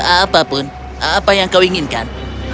apapun apa yang kau inginkan